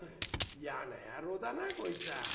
「嫌な野郎だなこいつは。